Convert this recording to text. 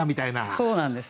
そうなんです。